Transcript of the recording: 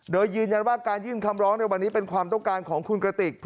โดยยืนยันว่าการยื่นคำร้องในวันนี้เป็นความต้องการของคุณกระติก